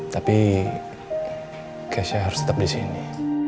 tapi keisha harus tetap disini